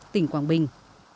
tỉnh quảng bình